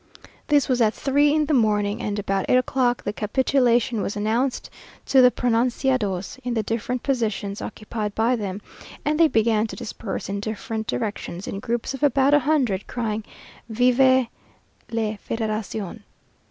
This was at three in the morning; and about eight o'clock, the capitulation was announced to the pronunciados in the different positions occupied by them; and they began to disperse in different directions, in groups of about a hundred, crying, "Vive la Federacion!"